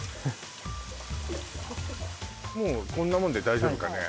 もうこんなもんで大丈夫かねえ